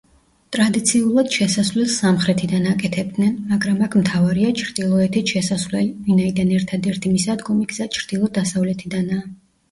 ტრადიციულად შესასვლელს სამხრეთიდან აკეთებდნენ, მაგრამ აქ მთავარია ჩრდილოეთით შესასვლელი, ვინაიდან ერთადერთი მისადგომი გზა ჩრდილო-დასავლეთიდანაა.